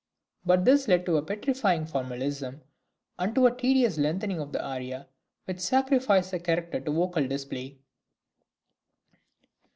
But this led to a petrifying formalism, and to a tedious lengthening of the aria, which sacrificed character to vocal display.